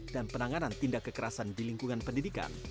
dan penanganan tindak kekerasan di lingkungan pendidikan